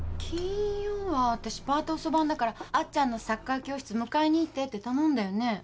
金曜は私パート遅番だからあっちゃんのサッカー教室迎えに行ってって頼んだよね？